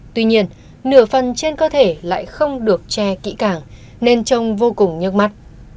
tuy nhiên nửa phần trên cơ thể lại không được che kỹ càng nên trông vô cùng nhức mắt